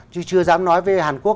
chứ chưa dám nói về hàn quốc